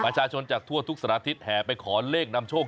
ประชาชนจากทั่วทุกสารทิศแห่ไปขอเลขนำโชค